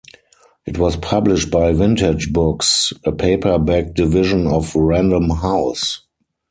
It was published by Vintage Books, a paperback division of Random House.